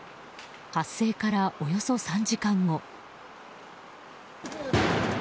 発生から、およそ３時間後。